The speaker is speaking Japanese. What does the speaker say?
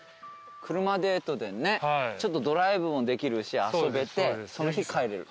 車デートでねちょっとドライブもできるし遊べてその日帰れる。